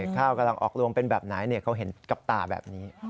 ข้าวกำลังออกลวงเป็นแบบไหนเขาเห็นกับตาแบบนี้